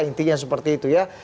intinya seperti itu ya